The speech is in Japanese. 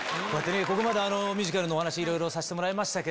ここまでミュージカルのお話いろいろさせてもらいました。